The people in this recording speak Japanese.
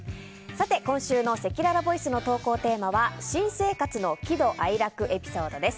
今週のせきららボイスの投稿テーマは新生活の喜怒哀楽エピソードです。